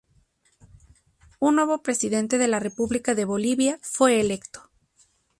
Un nuevo presidente de la República de Bolivia fue electo.